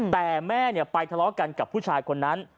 แต่แม่ไปทะเลาะกันกับผู้ชายคนนั้น